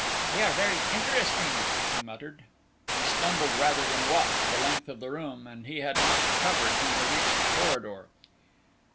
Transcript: "They are very interesting," he muttered. He stumbled rather than walked the length of the room, and he had not recovered when they reached the corridor.